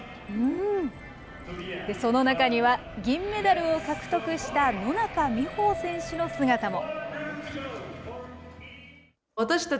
その中には、銀メダルを獲得した野中生萌選手の姿も。